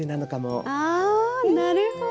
ああなるほど！